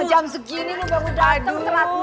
jam segini lu baru dateng